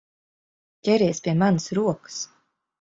Ķeries pie manas rokas!